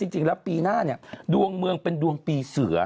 จริงแล้วปีหน้าเนี่ยดวงเมืองเป็นดวงปีเสือ